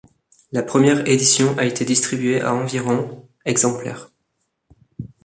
La première édition a été distribuée à environ exemplaires.